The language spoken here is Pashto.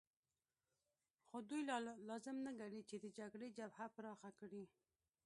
خو دوی دا لازم نه ګڼي چې د جګړې جبهه پراخه کړي